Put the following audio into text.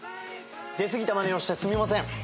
出過ぎたまねをしてすみません。